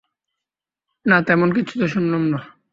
না, তেমন কিছু তো শুনলুম না।